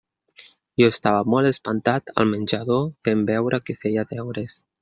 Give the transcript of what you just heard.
Jo estava molt espantat al menjador, fent veure que feia deures.